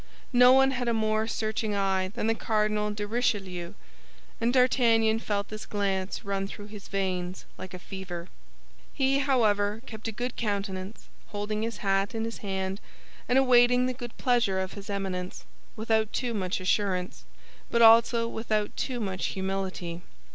No one had a more searching eye than the Cardinal de Richelieu, and D'Artagnan felt this glance run through his veins like a fever. He however kept a good countenance, holding his hat in his hand and awaiting the good pleasure of his Eminence, without too much assurance, but also without too much humility.